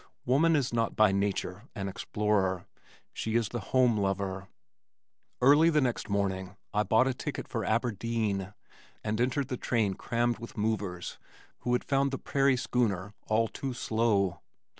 Woman is not by nature an explorer. She is the home lover. Early the next morning I bought a ticket for Aberdeen, and entered the train crammed with movers who had found the "prairie schooner" all too slow.